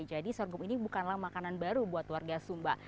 jadi sorghum ini bukanlah makanan baru buat warga sumba